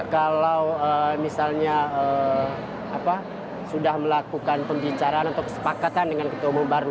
kalau misalnya sudah melakukan pembicaraan atau kesepakatan dengan ketua umum baru